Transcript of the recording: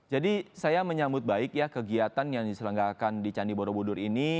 jadi saya menyambut baik ya kegiatan yang diselenggarkan di candi borobudur ini